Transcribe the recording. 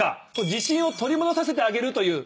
自信を取り戻させてあげるという。